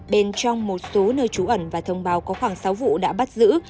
bên trong một số nơi trú ẩn và thông báo có khoảng sáu vụ đã bắt giữ